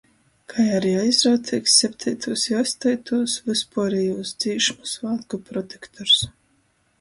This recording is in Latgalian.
Kai ari aizrauteigs septeitūs i ostoitūs Vyspuorejūs dzīšmu svātku protektors.